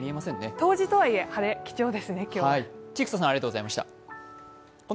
冬至とはいえ、晴れ、貴重ですね、今日は。